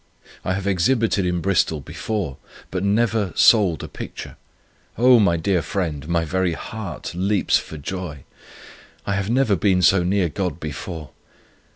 I have exhibited in Bristol before, but never sold a picture. Oh! my dear friend, my very heart leaps for joy. I have never been so near God before.